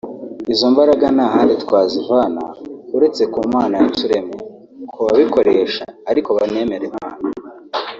Izo mbaraga nta handi twazivana ureste ku Mana yaturemye (ku babikoresha ariko banemera Imana)